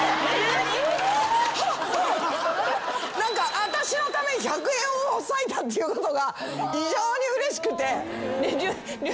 何か私のために１００円を割いたっていうことが異常にうれしくて。